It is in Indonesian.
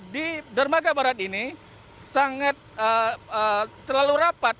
di dermaga barat ini sangat terlalu rapat